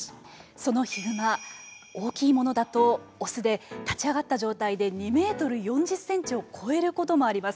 そのヒグマ大きいものだと雄で立ち上がった状態で２メートル４０センチを超えることもあります。